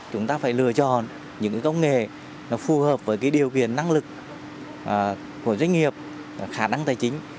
chúng ta phải lựa chọn những công nghệ phù hợp với điều kiện năng lực của doanh nghiệp khả năng tài chính